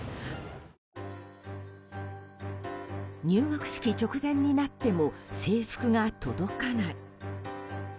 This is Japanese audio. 入学式直前になっても制服が届かない。